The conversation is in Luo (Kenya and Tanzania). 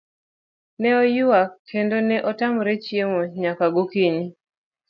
Ne oyuak kendo ne otamre chiemo nyaka gokinyi.